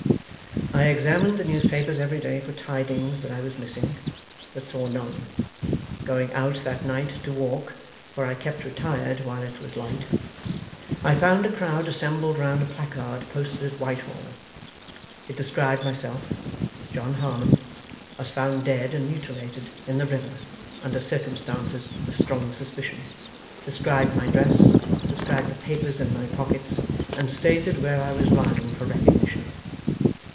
'I examined the newspapers every day for tidings that I was missing, but saw none. Going out that night to walk (for I kept retired while it was light), I found a crowd assembled round a placard posted at Whitehall. It described myself, John Harmon, as found dead and mutilated in the river under circumstances of strong suspicion, described my dress, described the papers in my pockets, and stated where I was lying for recognition.